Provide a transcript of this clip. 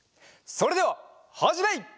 それでははじめい！